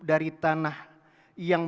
dari tanah yang